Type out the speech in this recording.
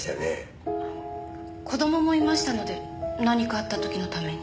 子供もいましたので何かあった時のために。